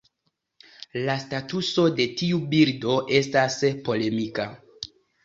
La statuso de tiu birdo estas polemika.